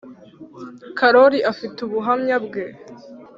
karori afite ubuhamya bwe